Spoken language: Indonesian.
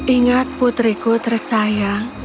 ingat putriku tersayang